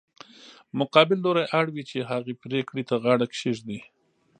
مقابل لوری اړ وي چې هغې پرېکړې ته غاړه کېږدي.